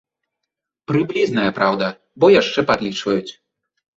Прыблізная, праўда, бо яшчэ падлічваюць.